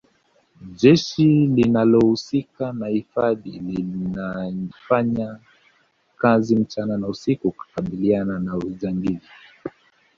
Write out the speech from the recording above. jeshi linalohusika na hifadhi linafanya kazi mchana na usiku kukabililiana na ujangili